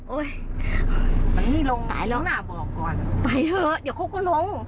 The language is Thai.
โอ๊ยตายแล้วไปเถอะเดี๋ยวเขาก็ลง